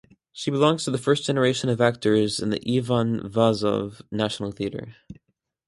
She belongs to the first generation of actors in the Ivan Vazov National Theater.